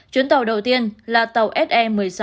chuyến tàu đầu tiên là tàu se một mươi sáu